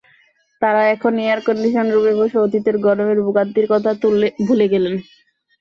তাঁরা এখন air condition রুমে বসে অতীতের গরমের ভোগান্তির কথা ভুলে গেছেন।